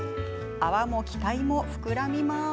泡も期待も膨らみます。